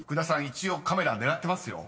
一応カメラ狙ってますよ］